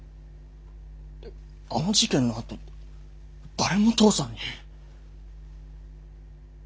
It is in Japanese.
あの事件のあと誰も父さんに。